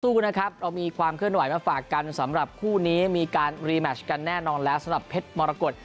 นะครับเรามีความเคลื่อนไหวมาฝากกันสำหรับคู่นี้มีการรีแมชกันแน่นอนแล้วสำหรับเพชรมรกฏ